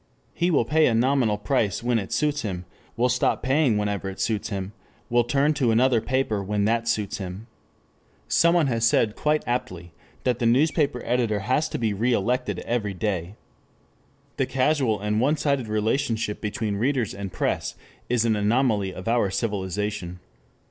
He will pay a nominal price when it suits him, will stop paying whenever it suits him, will turn to another paper when that suits him. Somebody has said quite aptly that the newspaper editor has to be re elected every day. This casual and one sided relationship between readers and press is an anomaly of our civilization.